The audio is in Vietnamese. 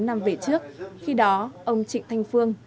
bốn mươi năm về trước khi đó ông trịnh thanh phương